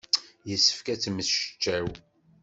Yessefk ad temmecčaw.